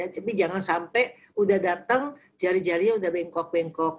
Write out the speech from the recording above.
tapi jangan sampai sudah datang jari jarinya sudah bengkak bengkak